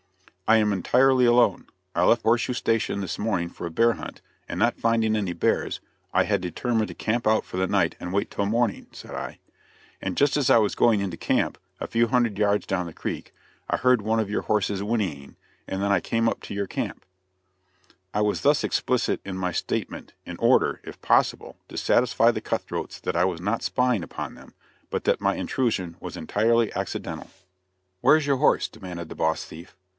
"I am entirely alone. I left Horseshoe station this morning for a bear hunt, and not finding any bears, I had determined to camp out for the night and wait till morning," said I; "and just as I was going into camp, a few hundred yards down the creek, I heard one of your horses whinnying, and then I came up to your camp." [Illustration: THE HORSE THIEVES' DEN.] I was thus explicit in my statement in order, if possible to satisfy the cut throats that I was not spying upon them, but that my intrusion was entirely accidental. "Where's your horse?" demanded the boss thief.